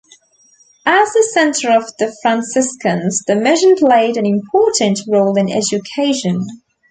As the center for the Franciscans, the Mission played an important role in education.